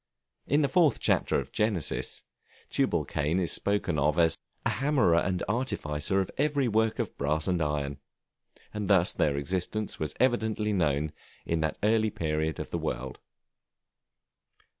In the fourth chapter of Genesis, Tubalcain is spoken of as "a hammerer and artificer in every work of brass and iron," and thus their existence was evidently known at that early period of the world.